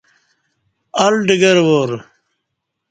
ال ڈگروار